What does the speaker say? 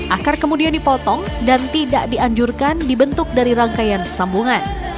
akar kemudian dipotong dan tidak dianjurkan dibentuk dari rangkaian sambungan